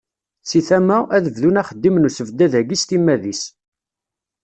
Seg tama, ad bdun axeddim n usebddad-agi s timmad-is.